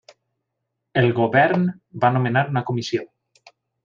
El govern va nomenar una comissió.